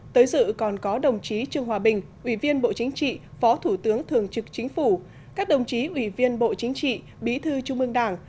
tới dự còn có đồng chí trương hòa bình ủy viên bộ chính trị phó thủ tướng thường trực chính phủ các đồng chí ủy viên bộ chính trị bí thư trung ương đảng